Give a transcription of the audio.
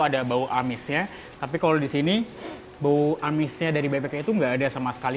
ada bau amisnya tapi kalau di sini bau amisnya dari bebeknya itu nggak ada sama sekali